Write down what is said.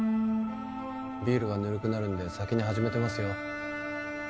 ビールがぬるくなるんで先に始めてますよ？